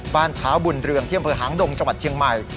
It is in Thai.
บ้านท้าบุญเรืองเที่ยมเผลอหางดงจังหวัดเชียงใหม่